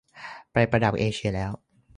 ไประดับเอเชียแล้ว !